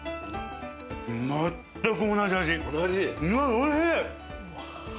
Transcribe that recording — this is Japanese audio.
おいしい！